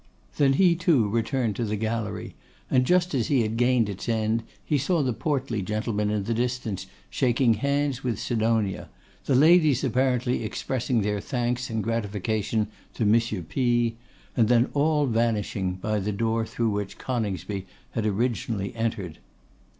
Then he too returned to the gallery, and just as he had gained its end, he saw the portly gentleman in the distance shaking hands with Sidonia, the ladies apparently expressing their thanks and gratification to M. P s, and then all vanishing by the door through which Coningsby had originally entered.